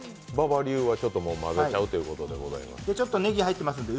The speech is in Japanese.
馬場流は混ぜちゃうということでございます。